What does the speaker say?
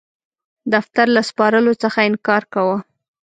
دفتر له سپارلو څخه انکار کاوه.